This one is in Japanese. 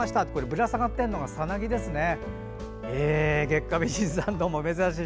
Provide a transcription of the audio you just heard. ぶら下がっているのがさなぎですね。